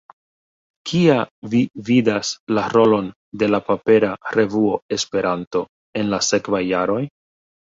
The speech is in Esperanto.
Kia vi vidas la rolon de la papera revuo Esperanto en la sekvaj jaroj?